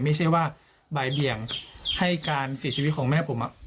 ไม่ใช่ว่าบ่ายเบี่ยงให้การเสียชีวิตของแม่ผม